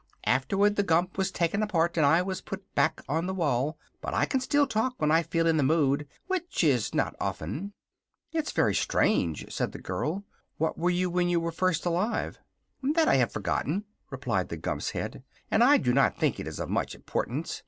Afterward the Gump was taken apart and I was put back on this wall; but I can still talk when I feel in the mood, which is not often." "It's very strange," said the girl. "What were you when you were first alive?" "That I have forgotten," replied the Gump's Head, "and I do not think it is of much importance.